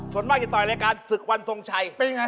สุนมากจะต่อยรายการศึกวันพรงไช